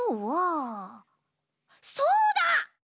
そうだ！